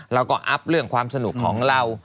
อัพเรื่องความสนุกของเรา